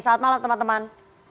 selamat malam teman teman